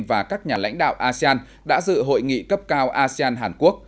và các nhà lãnh đạo asean đã dự hội nghị cấp cao asean hàn quốc